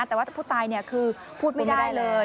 แต่ว่าผู้ตายคือพูดไม่ได้เลย